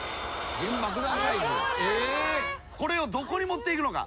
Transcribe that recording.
これをどこに持っていくのか？